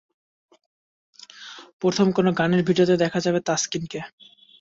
প্রথম কোনো গানের ভিডিওতে দেখা যাবে তাসকিনকে।